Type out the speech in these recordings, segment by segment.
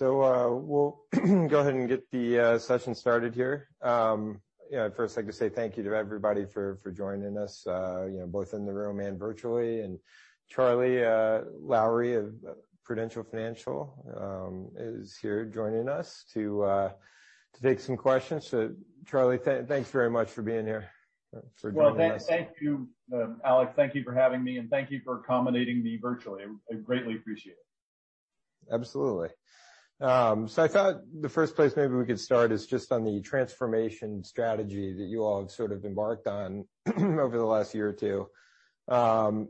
We'll go ahead and get the session started here. I'd first like to say thank you to everybody for joining us, both in the room and virtually. Charlie Lowrey of Prudential Financial is here joining us to take some questions. Charlie, thanks very much for being here, for joining us. Well, thank you, Alex. Thank you for having me, and thank you for accommodating me virtually. I greatly appreciate it. Absolutely. I thought the first place maybe we could start is just on the transformation strategy that you all have sort of embarked on over the last year or two.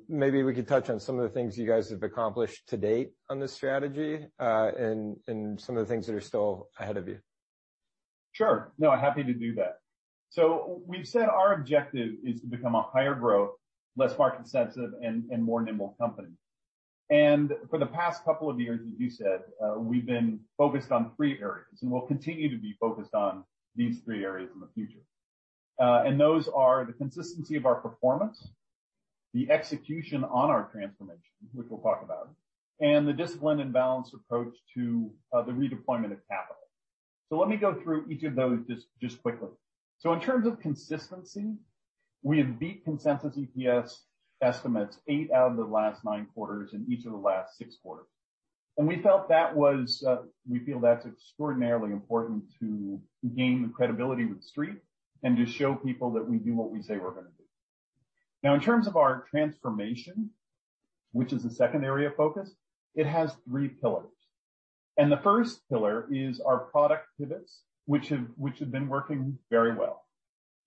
Maybe we could touch on some of the things you guys have accomplished to date on this strategy, and some of the things that are still ahead of you. Sure. No, happy to do that. We've said our objective is to become a higher growth, less market sensitive, and more nimble company. For the past couple of years, as you said, we've been focused on three areas, and we'll continue to be focused on these three areas in the future. Those are the consistency of our performance, the execution on our transformation, which we'll talk about, and the discipline and balanced approach to the redeployment of capital. Let me go through each of those just quickly. In terms of consistency, we have beat consensus EPS estimates eight out of the last nine quarters and each of the last six quarters. We feel that's extraordinarily important to gain the credibility with the Street and to show people that we do what we say we're going to do. In terms of our transformation, which is the second area of focus, it has three pillars. The first pillar is our product pivots, which have been working very well.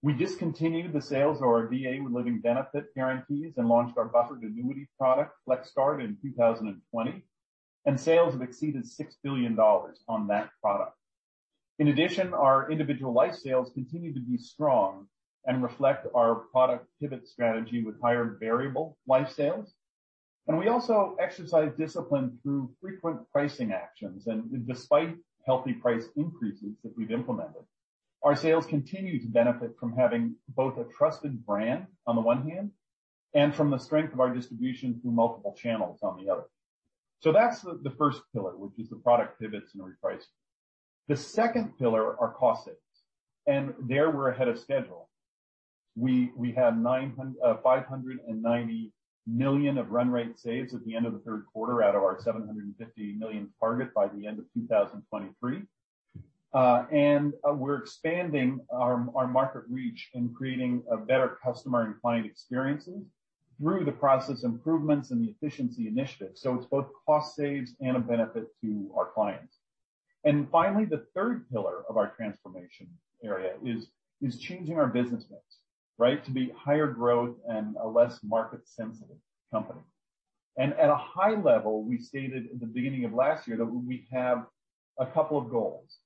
We discontinued the sales of our VA Living Benefit guarantees and launched our buffered annuity product, FlexGuard, in 2020, and sales have exceeded $6 billion on that product. In addition, our individual life sales continue to be strong and reflect our product pivot strategy with higher variable life sales. We also exercise discipline through frequent pricing actions. Despite healthy price increases that we've implemented, our sales continue to benefit from having both a trusted brand on the one hand, and from the strength of our distribution through multiple channels on the other. That's the first pillar, which is the product pivots and repricing. The second pillar are cost saves. There we're ahead of schedule. We have $590 million of run rate saves at the end of the third quarter out of our $750 million target by the end of 2023. We're expanding our market reach and creating a better customer and client experiences through the process improvements and the efficiency initiatives. It's both cost saves and a benefit to our clients. Finally, the third pillar of our transformation area is changing our business mix, right? To be higher growth and a less market-sensitive company. At a high level, we stated in the beginning of last year that we have a couple of goals.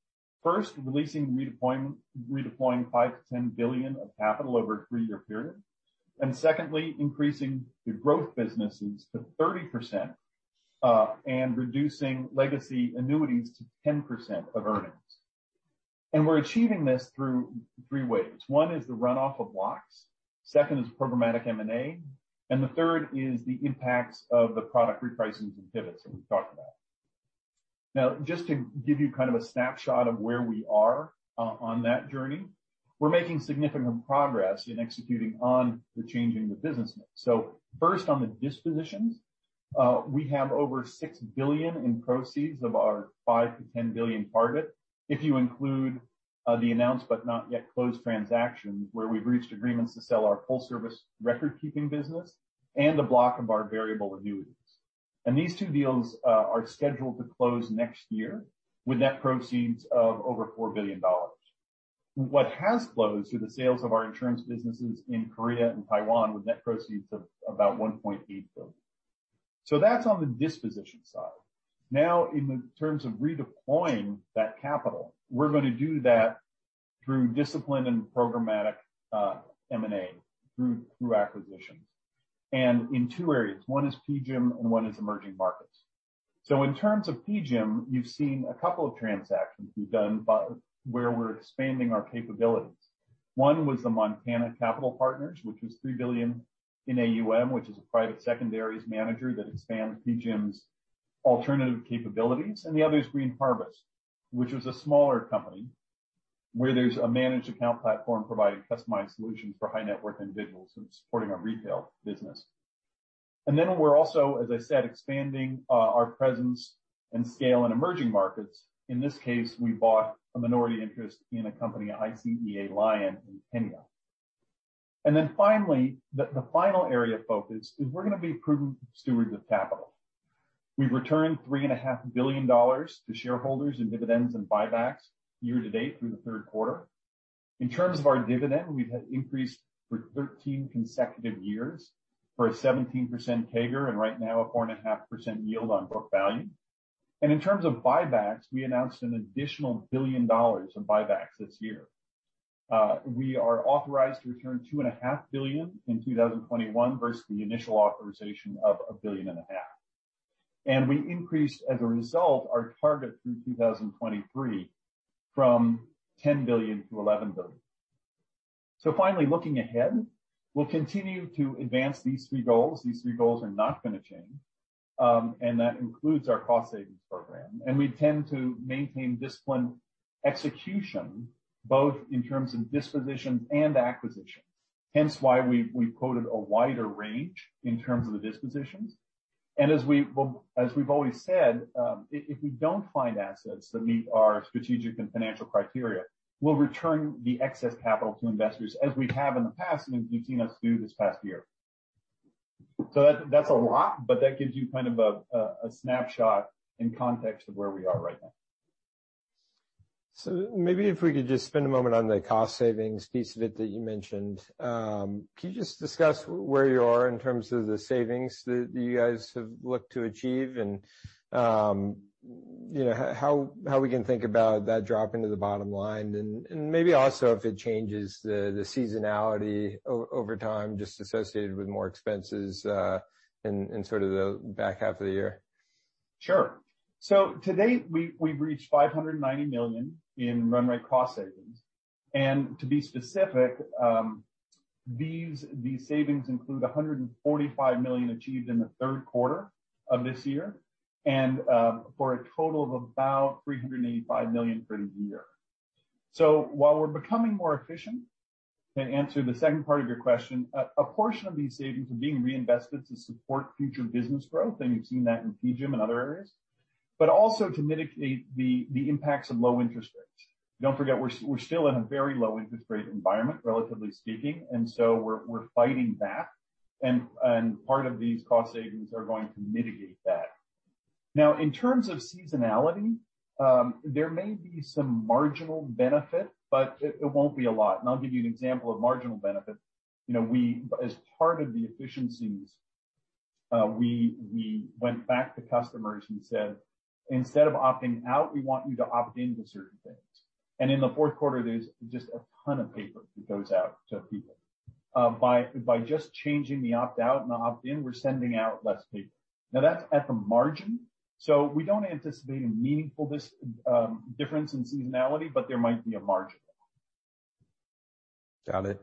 First, releasing redeploying $5 billion-$10 billion of capital over a three-year period. Secondly, increasing the growth businesses to 30%, and reducing legacy annuities to 10% of earnings. We're achieving this through three ways. One is the runoff of blocks, second is programmatic M&A, and the third is the impacts of the product repricings and pivots that we've talked about. Just to give you kind of a snapshot of where we are on that journey, we're making significant progress in executing on the changing the business mix. First on the dispositions, we have over $6 billion in proceeds of our $5 billion-$10 billion target. If you include the announced, but not yet closed transactions, where we've reached agreements to sell our full-service retirement business and a block of our variable annuities. These two deals are scheduled to close next year with net proceeds of over $4 billion. What has closed are the sales of our insurance businesses in Korea and Taiwan with net proceeds of about $1.8 billion. That's on the disposition side. In terms of redeploying that capital, we're going to do that through discipline and programmatic M&A through acquisitions and in two areas, one is PGIM and one is Emerging Markets. In terms of PGIM, you've seen a couple of transactions we've done where we're expanding our capabilities. One was the Montana Capital Partners, which was $3 billion in AUM, which is a private secondaries manager that expands PGIM's alternative capabilities. The other is Green Harvest, which is a smaller company where there's a managed account platform providing customized solutions for high-net-worth individuals and supporting our retail business. We're also, as I said, expanding our presence and scale in Emerging Markets. In this case, we bought a minority interest in a company, ICEA LION, in Kenya. Finally, the final area of focus is we're going to be prudent stewards of capital. We've returned $3.5 billion to shareholders in dividends and buybacks year to date through the third quarter. In terms of our dividend, we've increased for 13 consecutive years for a 17% CAGR, and right now a 4.5% yield on book value. In terms of buybacks, we announced an additional $1 billion of buybacks this year. We are authorized to return $2.5 billion in 2021 versus the initial authorization of a billion and a half. We increased, as a result, our target through 2023 from $10 billion to $11 billion. Finally, looking ahead, we'll continue to advance these three goals. These three goals are not going to change, and that includes our cost savings program. We intend to maintain disciplined execution, both in terms of dispositions and acquisitions, hence why we quoted a wider range in terms of the dispositions. As we've always said, if we don't find assets that meet our strategic and financial criteria, we'll return the excess capital to investors, as we have in the past, and as you've seen us do this past year. That's a lot, but that gives you kind of a snapshot in context of where we are right now. Maybe if we could just spend a moment on the cost savings piece of it that you mentioned. Can you just discuss where you are in terms of the savings that you guys have looked to achieve and, how we can think about that dropping to the bottom line, and maybe also if it changes the seasonality over time, just associated with more expenses in sort of the back half of the year? Sure. To date, we've reached $590 million in run rate cost savings. To be specific, these savings include $145 million achieved in the third quarter of this year and for a total of about $385 million for the year. While we're becoming more efficient, to answer the second part of your question, a portion of these savings are being reinvested to support future business growth, and you've seen that in PGIM and other areas, but also to mitigate the impacts of low interest rates. Don't forget, we're still in a very low interest rate environment, relatively speaking, we're fighting back and part of these cost savings are going to mitigate that. In terms of seasonality, there may be some marginal benefit, but it won't be a lot. I'll give you an example of marginal benefit. As part of the efficiencies, we went back to customers and said, "Instead of opting out, we want you to opt in to certain things." In the fourth quarter, there's just a ton of paper that goes out to people. By just changing the opt out and the opt in, we're sending out less paper. That's at the margin, so we don't anticipate a meaningful difference in seasonality, but there might be a marginal one. Got it.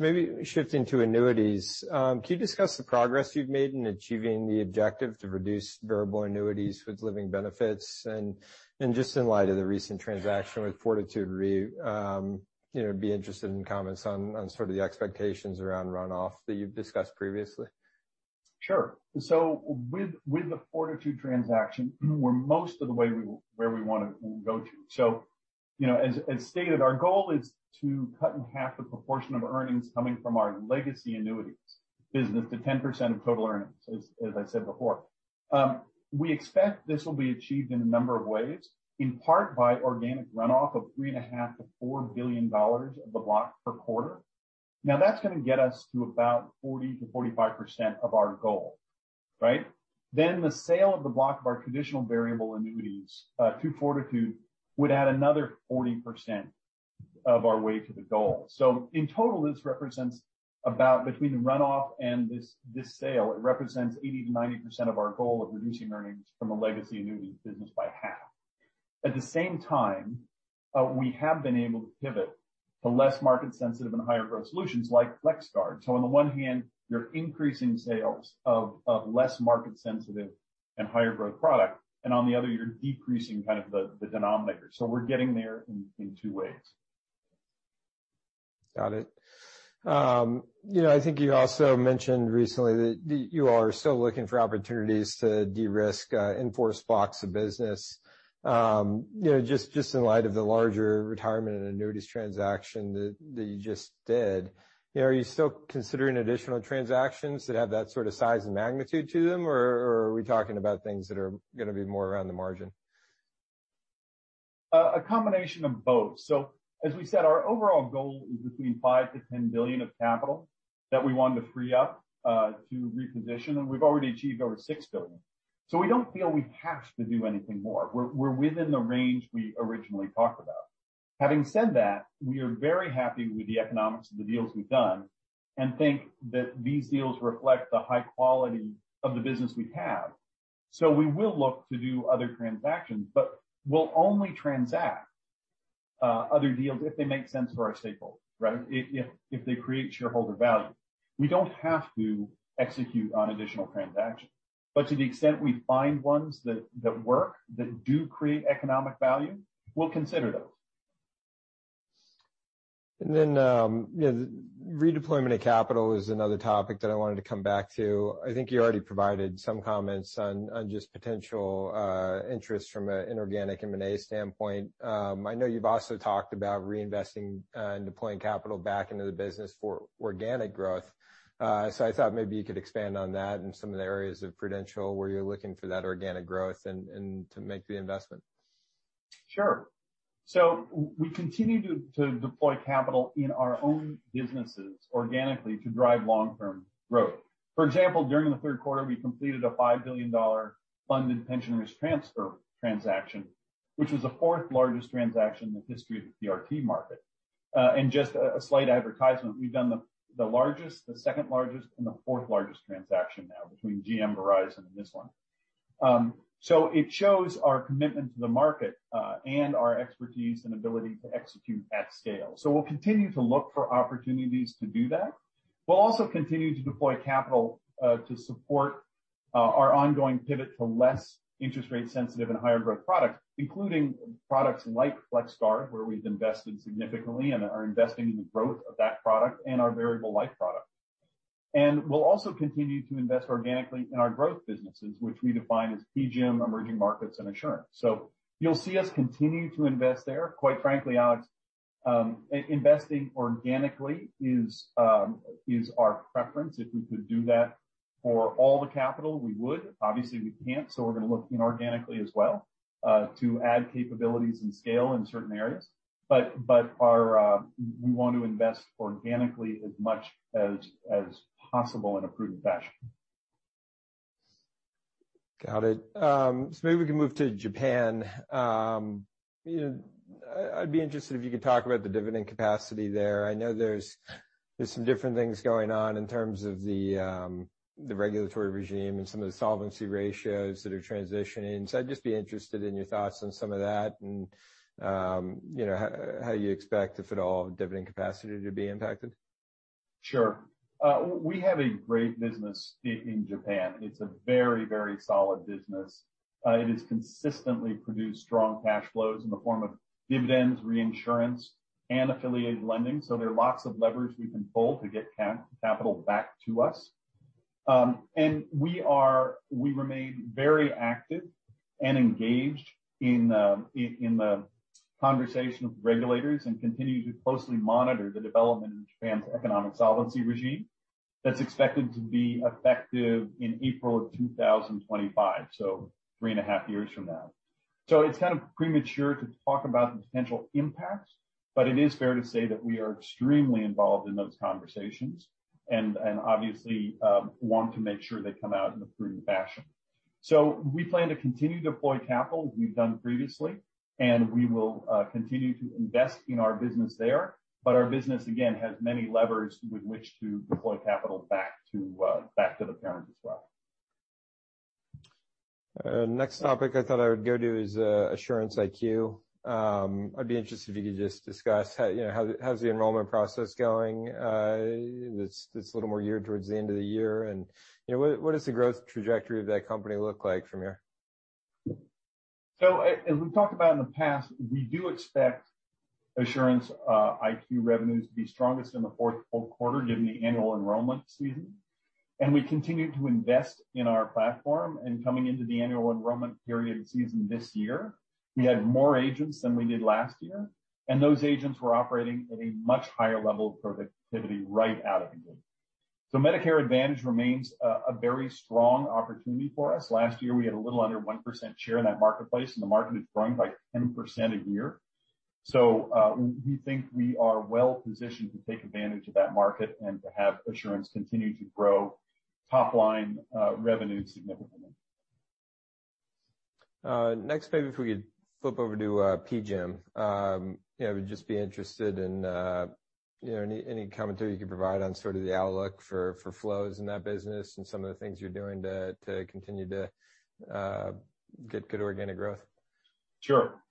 Maybe shifting to annuities. Can you discuss the progress you've made in achieving the objective to reduce variable annuities with living benefits? Just in light of the recent transaction with Fortitude Re, I'd be interested in comments on sort of the expectations around runoff that you've discussed previously. Sure. With the Fortitude transaction, we're most of the way where we want to go to. As stated, our goal is to cut in half the proportion of earnings coming from our legacy annuities business to 10% of total earnings, as I said before. We expect this will be achieved in a number of ways, in part by organic runoff of $3.5 billion-$4 billion of the block per quarter. That's going to get us to about 40%-45% of our goal, right? The sale of the block of our traditional variable annuities to Fortitude would add another 40% of our way to the goal. In total, this represents about, between the runoff and this sale, it represents 80%-90% of our goal of reducing earnings from a legacy annuity business by half. At the same time, we have been able to pivot to less market sensitive and higher growth solutions like FlexGuard. On the one hand, you're increasing sales of less market sensitive and higher growth product, and on the other, you're decreasing kind of the denominator. We're getting there in two ways. Got it. I think you also mentioned recently that you are still looking for opportunities to de-risk in-force blocks of business. Just in light of the larger retirement and annuities transaction that you just did, are you still considering additional transactions that have that sort of size and magnitude to them, or are we talking about things that are going to be more around the margin? A combination of both. As we said, our overall goal is between $5 billion-$10 billion of capital that we want to free up to reposition, and we've already achieved over $6 billion. We don't feel we have to do anything more. We're within the range we originally talked about. Having said that, we are very happy with the economics of the deals we've done and think that these deals reflect the high quality of the business we have. We will look to do other transactions, but we'll only transact other deals if they make sense for our stakeholders, right? If they create shareholder value. We don't have to execute on additional transactions. To the extent we find ones that work, that do create economic value, we'll consider those. The redeployment of capital is another topic that I wanted to come back to. I think you already provided some comments on just potential interest from an inorganic M&A standpoint. I know you've also talked about reinvesting and deploying capital back into the business for organic growth. I thought maybe you could expand on that and some of the areas of Prudential where you're looking for that organic growth and to make the investment. Sure. We continue to deploy capital in our own businesses organically to drive long-term growth. For example, during the third quarter, we completed a $5 billion funded pension risk transfer transaction, which was the fourth largest transaction in the history of the PRT market. Just a slight advertisement, we've done the largest, the second largest and the fourth largest transaction now between GM, Verizon, and this one. It shows our commitment to the market, and our expertise and ability to execute at scale. We'll continue to look for opportunities to do that. We'll also continue to deploy capital to support our ongoing pivot to less interest rate sensitive and higher growth products, including products like FlexGuard, where we've invested significantly and are investing in the growth of that product and our variable life product. We'll also continue to invest organically in our growth businesses, which we define as PGIM, Emerging Markets, and Assurance. You'll see us continue to invest there. Quite frankly, Alex, investing organically is our preference. If we could do that for all the capital, we would. Obviously, we can't, so we're going to look inorganically as well, to add capabilities and scale in certain areas. We want to invest organically as much as possible in a prudent fashion. Got it. Maybe we can move to Japan. I'd be interested if you could talk about the dividend capacity there. I know there's some different things going on in terms of the regulatory regime and some of the solvency ratios that are transitioning. I'd just be interested in your thoughts on some of that and how you expect, if at all, dividend capacity to be impacted. Sure. We have a great business in Japan. It's a very solid business. It has consistently produced strong cash flows in the form of dividends, reinsurance, and affiliated lending. There are lots of levers we can pull to get capital back to us. We remain very active and engaged in the conversation with regulators and continue to closely monitor the development in Japan's economic solvency regime that's expected to be effective in April of 2025, so three and a half years from now. It's kind of premature to talk about the potential impacts, but it is fair to say that we are extremely involved in those conversations and obviously want to make sure they come out in a prudent fashion. We plan to continue to deploy capital as we've done previously, and we will continue to invest in our business there, but our business, again, has many levers with which to deploy capital back to the parent as well. Next topic I thought I would go to is Assurance IQ. I'd be interested if you could just discuss how's the enrollment process going. It's a little more geared towards the end of the year. What does the growth trajectory of that company look like from here? As we've talked about in the past, we do expect Assurance IQ revenues to be strongest in the fourth full quarter, given the annual enrollment season. We continue to invest in our platform. Coming into the annual enrollment period season this year, we had more agents than we did last year, and those agents were operating at a much higher level of productivity right out of the gate. Medicare Advantage remains a very strong opportunity for us. Last year, we had a little under 1% share in that marketplace. The market is growing by 10% a year. We think we are well positioned to take advantage of that market and to have Assurance continue to grow top-line revenue significantly. Next, maybe if we could flip over to PGIM. I would just be interested in any commentary you could provide on sort of the outlook for flows in that business and some of the things you're doing to continue to get good organic growth. Sure.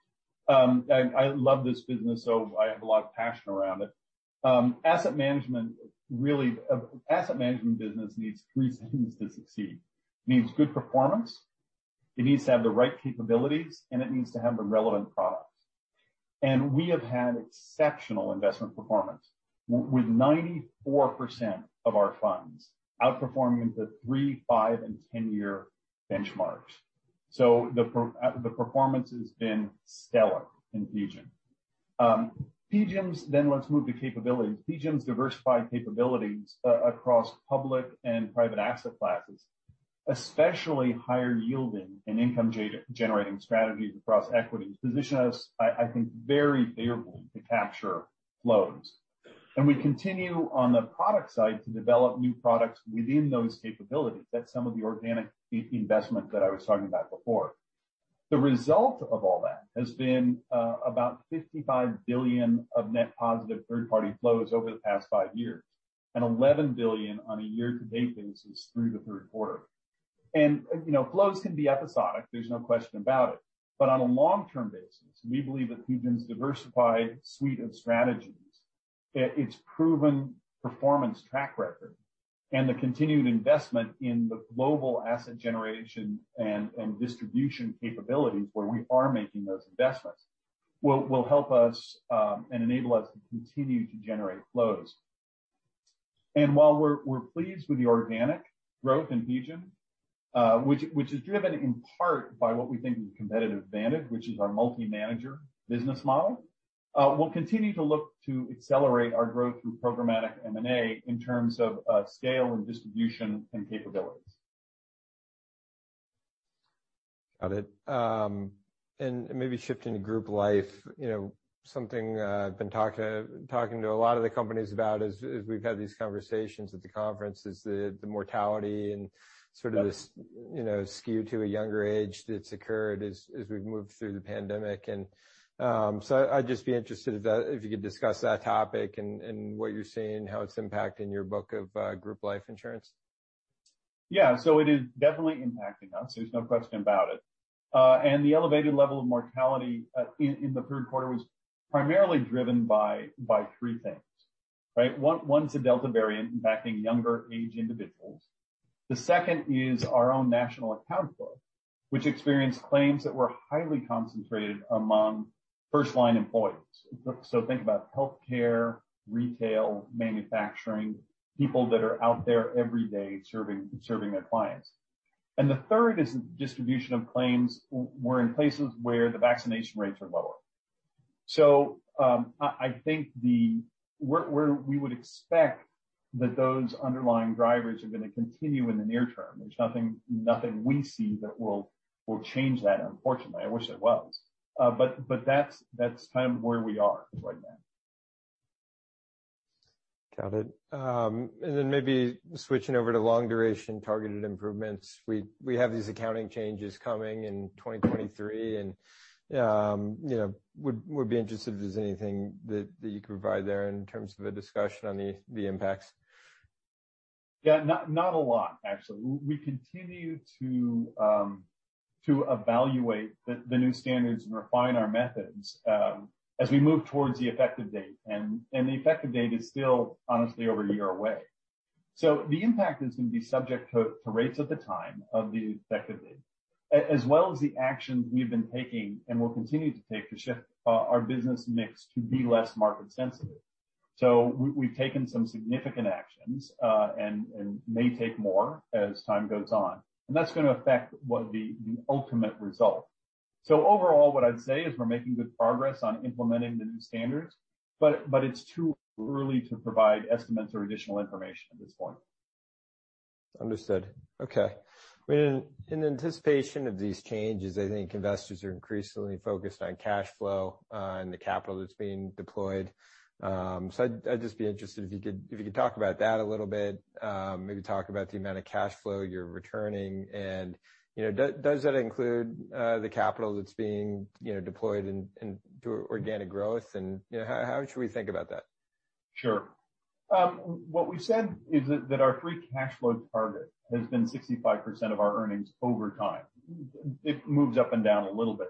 I love this business, so I have a lot of passion around it. Asset management business needs three things to succeed. It needs good performance, it needs to have the right capabilities, and it needs to have the relevant products. We have had exceptional investment performance, with 94% of our funds outperforming the three, five, and 10-year benchmarks. The performance has been stellar in PGIM. Let's move to capabilities. PGIM's diversified capabilities across public and private asset classes, especially higher yielding and income-generating strategies across equities, position us, I think, very favorably to capture flows. We continue on the product side to develop new products within those capabilities. That's some of the organic investment that I was talking about before. The result of all that has been about $55 billion of net positive third-party flows over the past 5 years and $11 billion on a year-to-date basis through the third quarter. Flows can be episodic, there's no question about it. On a long-term basis, we believe that PGIM's diversified suite of strategies, its proven performance track record, and the continued investment in the global asset generation and distribution capabilities where we are making those investments will help us and enable us to continue to generate flows. While we're pleased with the organic growth in PGIM, which is driven in part by what we think is a competitive advantage, which is our multi-manager business model, we'll continue to look to accelerate our growth through programmatic M&A in terms of scale and distribution and capabilities. Got it. Maybe shifting to Group Life. Something I've been talking to a lot of the companies about as we've had these conversations at the conference is the mortality and sort of this skew to a younger age that's occurred as we've moved through the pandemic. I'd just be interested if you could discuss that topic and what you're seeing, how it's impacting your book of Group Life insurance. It is definitely impacting us. There's no question about it. The elevated level of mortality in the third quarter was primarily driven by three things, right? One's the Delta variant impacting younger age individuals. The second is our own National Account flow, which experienced claims that were highly concentrated among first-line employees. Think about healthcare, retail, manufacturing, people that are out there every day serving their clients. The third is distribution of claims were in places where the vaccination rates are lower. I think where we would expect that those underlying drivers are going to continue in the near term. There's nothing we see that will change that, unfortunately. I wish there was. That's kind of where we are right now. Got it. Maybe switching over to long duration targeted improvements. We have these accounting changes coming in 2023, would be interested if there's anything that you can provide there in terms of a discussion on the impacts. Yeah. Not a lot, actually. We continue to evaluate the new standards and refine our methods as we move towards the effective date. The effective date is still honestly over a year away. The impact is going to be subject to rates at the time of the effective date, as well as the actions we've been taking and will continue to take to shift our business mix to be less market sensitive. We've taken some significant actions, and may take more as time goes on, and that's going to affect what the ultimate result. Overall, what I'd say is we're making good progress on implementing the new standards, but it's too early to provide estimates or additional information at this point. Understood. Okay. In anticipation of these changes, I think investors are increasingly focused on cash flow and the capital that's being deployed. I'd just be interested if you could talk about that a little bit, maybe talk about the amount of cash flow you're returning and does that include the capital that's being deployed through organic growth and how should we think about that? Sure. What we've said is that our free cash flow target has been 65% of our earnings over time. It moves up and down a little bit,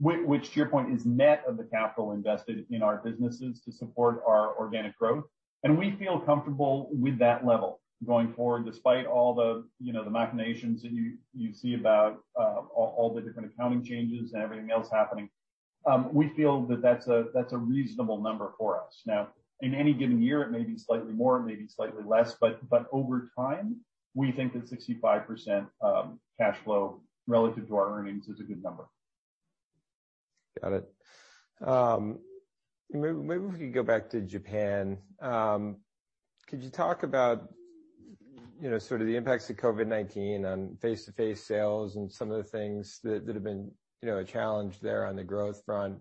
which to your point is net of the capital invested in our businesses to support our organic growth. We feel comfortable with that level going forward despite all the machinations that you see about all the different accounting changes and everything else happening. We feel that that's a reasonable number for us. In any given year, it may be slightly more, it may be slightly less, but over time, we think that 65% cash flow relative to our earnings is a good number. Got it. Maybe we could go back to Japan. Could you talk about sort of the impacts of COVID-19 on face-to-face sales and some of the things that have been a challenge there on the growth front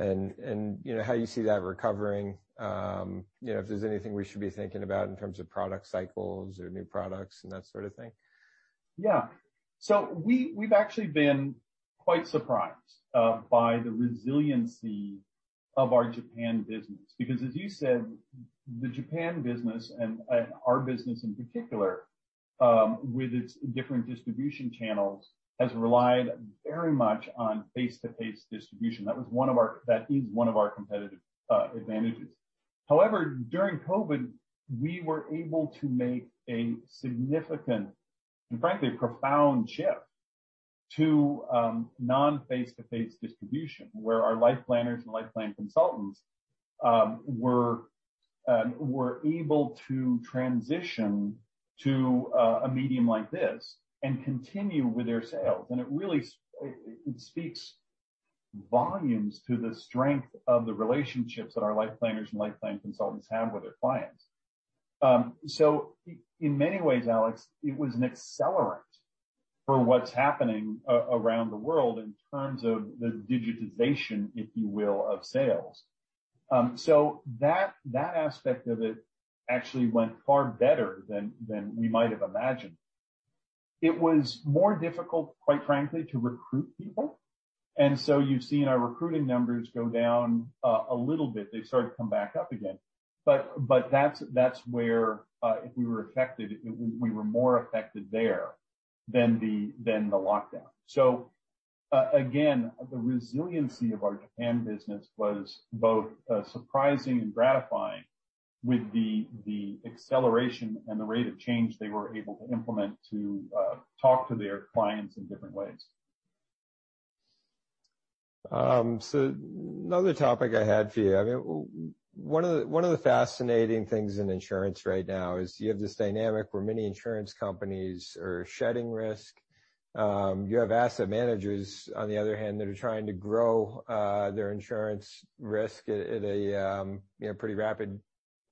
and how you see that recovering? If there's anything we should be thinking about in terms of product cycles or new products and that sort of thing. We've actually been quite surprised by the resiliency of our Japan business, because as you said, the Japan business and our business in particular, with its different distribution channels, has relied very much on face-to-face distribution. That is one of our competitive advantages. However, during COVID, we were able to make a significant, and frankly, profound shift to non-face-to-face distribution, where our Life Planners and Life Plan Consultants were able to transition to a medium like this and continue with their sales. It really speaks volumes to the strength of the relationships that our Life Planners and Life Plan Consultants have with their clients. In many ways, Alex, it was an accelerant for what's happening around the world in terms of the digitization, if you will, of sales. That aspect of it actually went far better than we might have imagined. It was more difficult, quite frankly, to recruit people, and so you've seen our recruiting numbers go down a little bit. They've started to come back up again. That's where, if we were affected, we were more affected there than the lockdown. Again, the resiliency of our Japan business was both surprising and gratifying with the acceleration and the rate of change they were able to implement to talk to their clients in different ways. Another topic I had for you. One of the fascinating things in insurance right now is you have this dynamic where many insurance companies are shedding risk. You have asset managers, on the other hand, that are trying to grow their insurance risk at a pretty rapid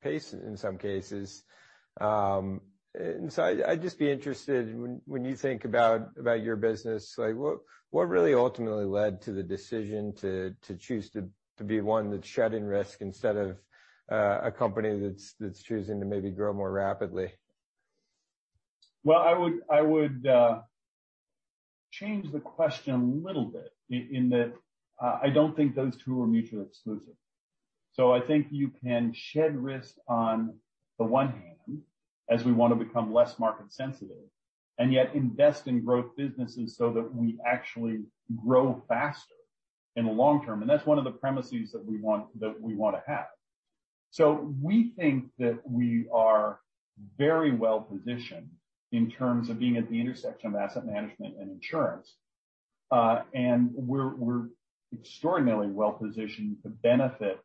pace in some cases. I'd just be interested, when you think about your business, what really ultimately led to the decision to choose to be one that's shedding risk instead of a company that's choosing to maybe grow more rapidly? Well, I would change the question a little bit in that I don't think those two are mutually exclusive. I think you can shed risk on the one hand, as we want to become less market sensitive, and yet invest in growth businesses so that we actually grow faster in the long term. That's one of the premises that we want to have. We think that we are very well-positioned in terms of being at the intersection of asset management and insurance. We're extraordinarily well-positioned to benefit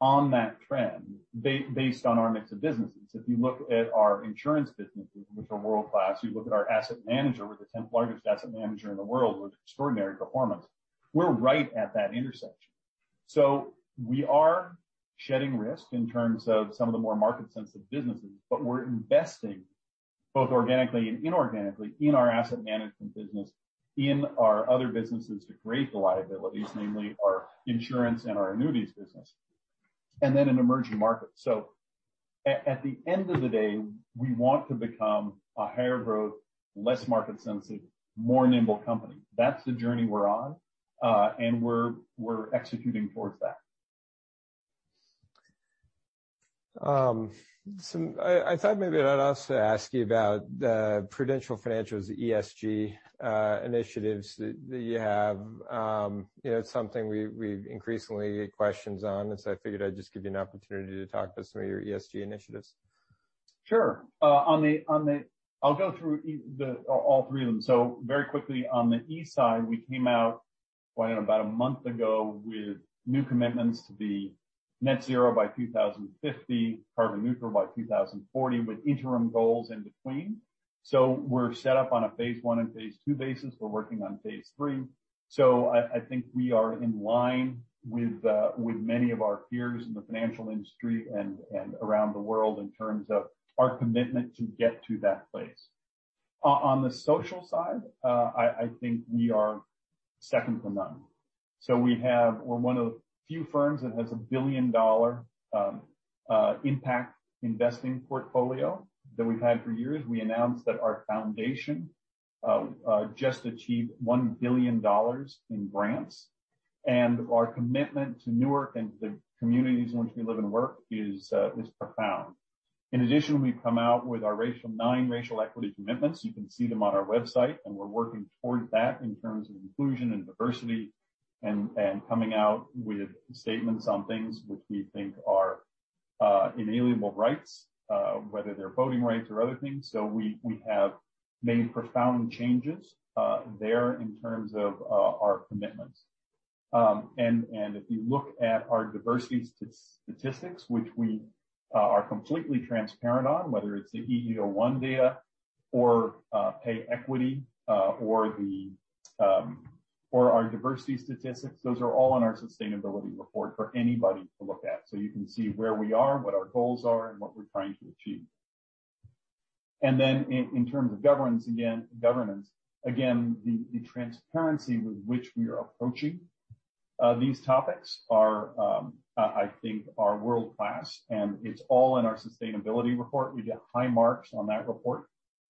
on that trend based on our mix of businesses. If you look at our insurance businesses, which are world-class, you look at our asset manager, we're the tenth largest asset manager in the world with extraordinary performance. We're right at that intersection. We are shedding risk in terms of some of the more market-sensitive businesses, but we're investing both organically and inorganically in our asset management business, in our other businesses to create the liabilities, namely our insurance and our annuities business, and then in Emerging Markets. At the end of the day, we want to become a higher growth, less market sensitive, more nimble company. That's the journey we're on. We're executing towards that. I thought maybe I'd also ask you about Prudential Financial's ESG initiatives that you have. It's something we've increasingly get questions on. I figured I'd just give you an opportunity to talk to some of your ESG initiatives. Sure. I'll go through all three of them. Very quickly, on the E side, we came out, about a month ago, with new commitments to be net zero by 2050, carbon neutral by 2040, with interim goals in between. We're set up on a phase 1 and phase 2 basis. We're working on phase 3. I think we are in line with many of our peers in the financial industry and around the world in terms of our commitment to get to that place. On the social side, I think we are second to none. We're one of the few firms that has a billion-dollar impact investing portfolio that we've had for years. We announced that our foundation just achieved $1 billion in grants, and our commitment to Newark and the communities in which we live and work is profound. In addition, we've come out with our nine racial equity commitments. You can see them on our website. We're working towards that in terms of inclusion and diversity and coming out with statements on things which we think are inalienable rights, whether they're voting rights or other things. We have made profound changes there in terms of our commitments. If you look at our diversity statistics, which we are completely transparent on, whether it's the EEO-1 data or pay equity or our diversity statistics, those are all on our sustainability report for anybody to look at. You can see where we are, what our goals are, and what we're trying to achieve. Then in terms of governance, again, the transparency with which we are approaching these topics are, I think, are world-class, and it's all in our sustainability report. We get high marks on that report.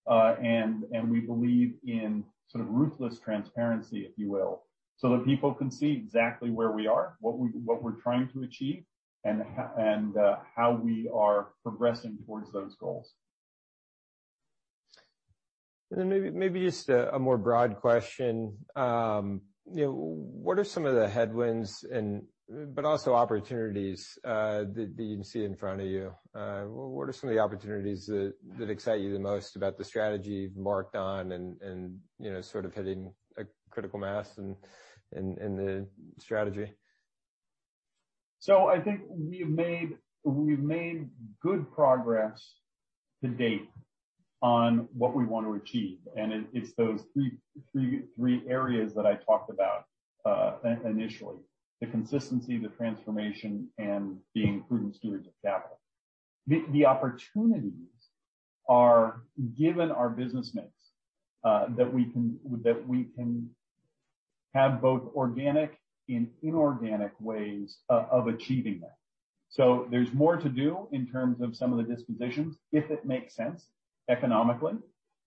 We believe in sort of ruthless transparency, if you will, so that people can see exactly where we are, what we're trying to achieve, and how we are progressing towards those goals. Then maybe just a more broad question. What are some of the headwinds but also opportunities that you can see in front of you? What are some of the opportunities that excite you the most about the strategy you've marked on and sort of hitting a critical mass in the strategy? I think we've made good progress to date on what we want to achieve, and it's those three areas that I talked about initially, the consistency, the transformation, and being prudent stewards of capital. The opportunities are, given our business mix, that we can have both organic and inorganic ways of achieving that. There's more to do in terms of some of the dispositions, if it makes sense economically,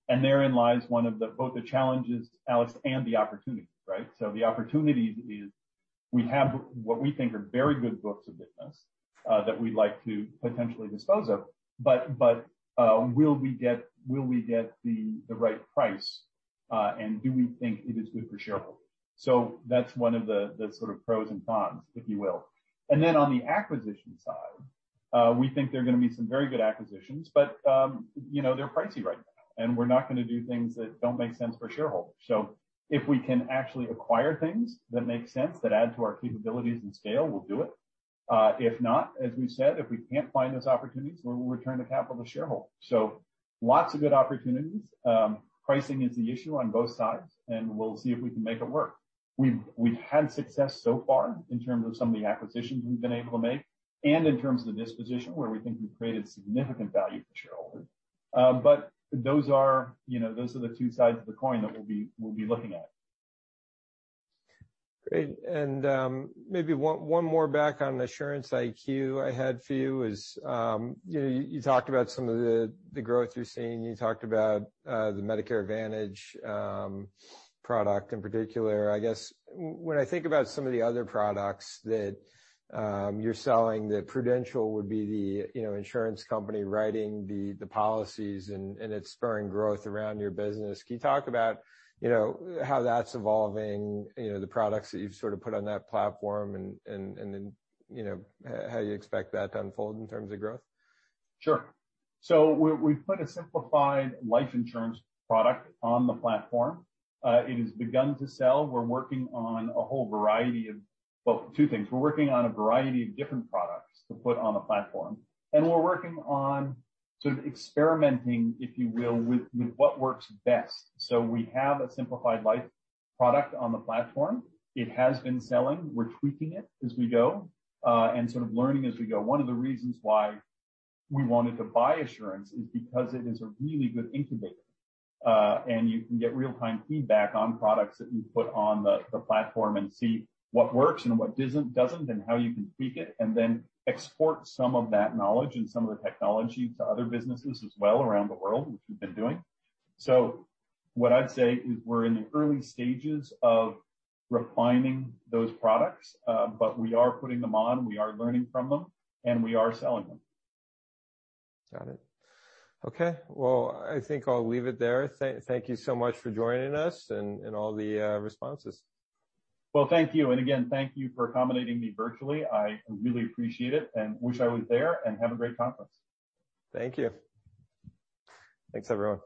and therein lies one of both the challenges, Alex, and the opportunity, right? The opportunity is we have what we think are very good books of business that we'd like to potentially dispose of, but will we get the right price, and do we think it is good for shareholders? That's one of the sort of pros and cons, if you will. Then on the acquisition side, we think there are going to be some very good acquisitions, but they're pricey right now, and we're not going to do things that don't make sense for shareholders. If we can actually acquire things that make sense, that add to our capabilities and scale, we'll do it. If not, as we've said, if we can't find those opportunities, we will return the capital to shareholders. Lots of good opportunities. Pricing is the issue on both sides, and we'll see if we can make it work. We've had success so far in terms of some of the acquisitions we've been able to make and in terms of the disposition, where we think we've created significant value for shareholders. Those are the two sides of the coin that we'll be looking at. Great. Maybe one more back on Assurance IQ I had for you is, you talked about some of the growth you're seeing. You talked about the Medicare Advantage product in particular. I guess, when I think about some of the other products that you're selling, that Prudential would be the insurance company writing the policies, and it's spurring growth around your business. Can you talk about how that's evolving, the products that you've sort of put on that platform, and then how you expect that to unfold in terms of growth? Sure. We've put a simplified life insurance product on the platform. It has begun to sell. We're working on a whole variety of, well, two things. We're working on a variety of different products to put on the platform, and we're working on sort of experimenting, if you will, with what works best. We have a simplified life product on the platform. It has been selling. We're tweaking it as we go, and sort of learning as we go. One of the reasons why we wanted to buy Assurance is because it is a really good incubator, and you can get real-time feedback on products that you put on the platform and see what works and what doesn't, and how you can tweak it, and then export some of that knowledge and some of the technology to other businesses as well around the world, which we've been doing. What I'd say is we're in the early stages of refining those products, but we are putting them on, we are learning from them, and we are selling them. Got it. Okay. Well, I think I'll leave it there. Thank you so much for joining us and all the responses. Well, thank you. Again, thank you for accommodating me virtually. I really appreciate it and wish I was there, and have a great conference. Thank you. Thanks, everyone.